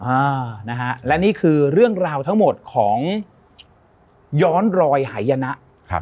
อ่านะฮะและนี่คือเรื่องราวทั้งหมดของย้อนรอยหายนะครับ